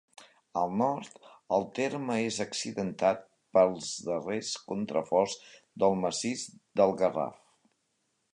Al nord, el terme és accidentat pels darrers contraforts del massís del Garraf.